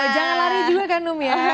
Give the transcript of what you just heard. jangan lari juga kan num ya